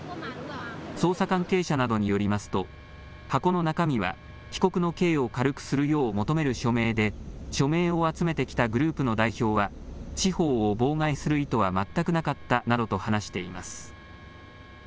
捜査関係者などによりますと箱の中身は被告の刑を軽くするよう求める署名で署名を集めてきたグループの代表は司法を妨害する意図は全くなかったなどと話しています。